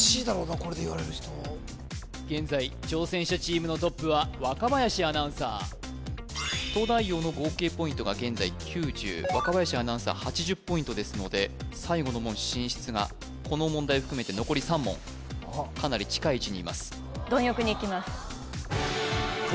これで言われる人現在挑戦者チームのトップは若林アナウンサー東大王の合計ポイントが現在９０若林アナウンサー８０ポイントですので最後の門進出がこの問題含めて残り３問かなり近い位置にいます皆さん分かりましたか？